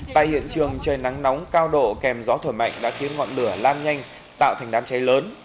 tại hiện trường trời nắng nóng cao độ kèm gió thổi mạnh đã khiến ngọn lửa lan nhanh tạo thành đám cháy lớn